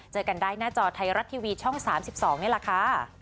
เจอกันได้หน้าจอไทยรัฐทีวีช่อง๓๒นี่แหละค่ะ